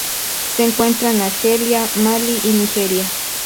Se encuentra en Argelia, Mali y Nigeria.